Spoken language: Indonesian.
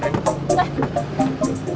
orang yang jon beaucoup